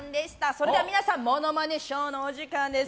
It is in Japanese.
それでは皆さんモノマネショーのお時間です。